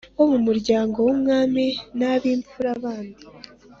bo mu muryango w’umwami, n’ab’imfura bandi